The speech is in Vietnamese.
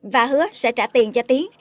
và hứa sẽ trả tiền cho tiến